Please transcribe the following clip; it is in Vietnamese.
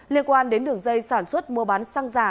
liên quan đến đường dây sản xuất mua bán xăng giả